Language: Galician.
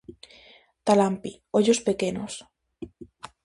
Talampi: ollos pequenos.